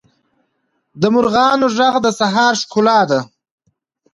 د مرغانو ږغ د سهار ښکلا ده.